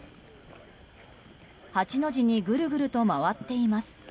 ８の字にぐるぐると回っています。